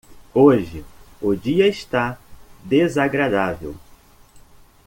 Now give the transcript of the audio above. Hoje o dia está desagradável.